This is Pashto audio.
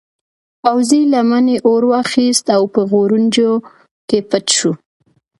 پوځي لمنې اور واخیست او په غوړنجو کې پټ شو.